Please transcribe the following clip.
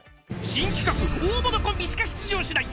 ［新企画大物コンビしか出場しない］